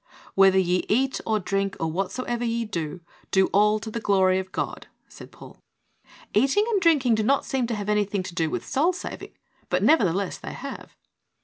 "Whether ye eat or drink, or whatso ever ye do, do all to the glory of God," said Paul. Eating and drinking do not seem to have anything to do with soul saving, HEALTH. 77 but nevertheless they have.